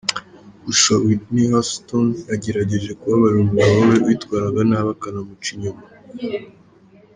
Gusa Whitney Houston yagerageje kubabarira umugabo we witwaraga nabi akanamuca inyuma.